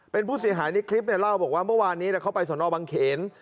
เป็นผู้เสียหายในคลิปเนี่ยเล่าบอกว่าเมื่อวานนี้เขาไปสนบังเขน